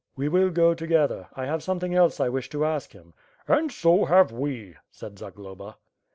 "We will go together. 1 have something else I wish to ask him." "And so have we," said Zagloba.